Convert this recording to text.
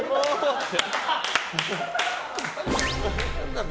って。